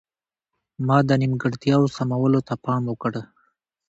ما د نیمګړتیاوو سمولو ته پام وکړ.